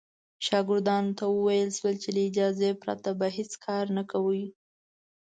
شاګردانو ته وویل شول چې له اجازې پرته به هېڅ کار نه کوي.